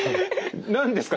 何ですか？